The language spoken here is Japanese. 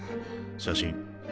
写真。